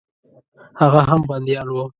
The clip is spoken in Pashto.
هغه هم بندیان وه.